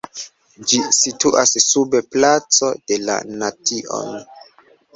Ĝi situas sub Placo de la Nation.